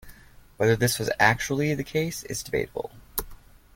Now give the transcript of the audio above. Whether this was actually the case is debatable.